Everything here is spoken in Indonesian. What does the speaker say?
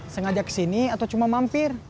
sengaja kesini atau cuma mampir